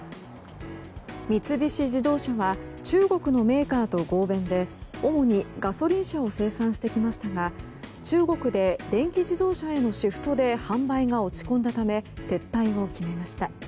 三菱自動車は中国のメーカーと合弁で主にガソリン車を生産してきましたが中国で電気自動車へのシフトで販売が落ち込んだため撤退を決めました。